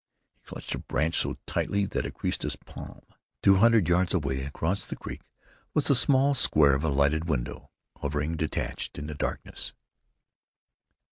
He clutched a branch so tightly that it creased his palm. Two hundred yards away, across the creek, was the small square of a lighted window hovering detached in the darkness.